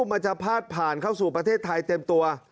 มันจะพาดผ่านเข้าสู่ประเทศไทยเต็มตัว